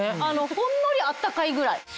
ほんのり温かいぐらい。